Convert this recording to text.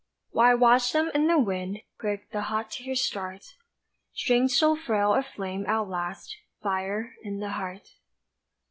While I watch them in the wind Quick the hot tears start Strange so frail a flame outlasts Fire in the heart.